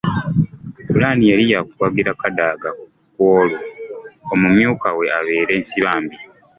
Ppulaani yali yakuwagira Kadaga ku olwo omumyuka we abeere Nsibambi .